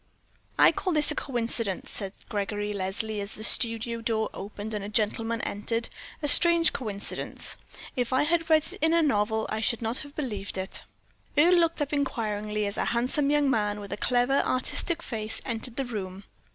"I call this a coincidence," said Gregory Leslie, as the studio door opened and a gentleman entered "a strange coincidence. If I had read it in a novel I should not have believed it." Earle looked up inquiringly as a handsome young man, with a clever, artistic face, entered the room.